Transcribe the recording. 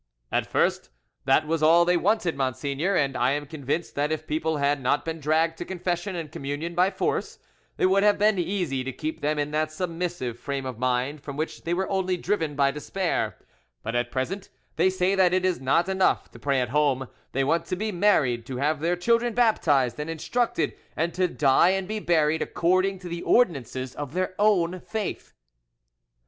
"At first that was all they wanted, monseigneur; and I am convinced that if people had not been dragged to confession and communion by force, it would have been easy to keep them in that submissive frame of mind from which they were only driven by despair; but at present they say that it is not enough to pray at home, they want to be married, to have their children baptised and instructed, and to die and be buried according to the ordinances of their own faith."